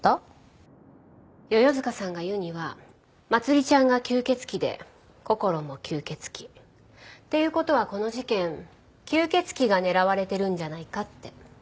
世々塚さんが言うにはまつりちゃんが吸血鬼でこころも吸血鬼。っていう事はこの事件吸血鬼が狙われてるんじゃないかって。